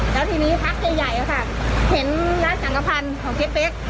แล้วทีนี้พักใหญ่ค่ะเห็นร้านสังกภัณฑ์ของเจ๊เป๊ก